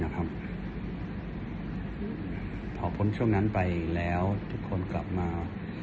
พอพ้นช่วงนั้นไปแล้วทุกคนกลับมา